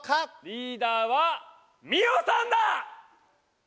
リーダーはミオさんだ！